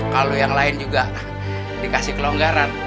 kalau yang lain juga dikasih kelonggaran